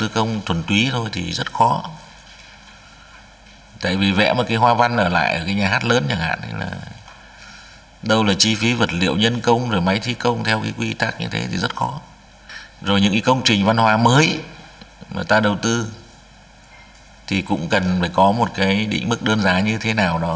công trình văn hóa mới mà ta đầu tư thì cũng cần phải có một cái định mức đơn giá như thế nào đó